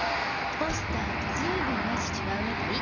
ポスターと随分イメージ違うみたい。